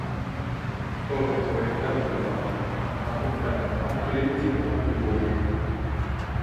Corre spaventata nel bagno ma compaiono altri letti con altri uomini.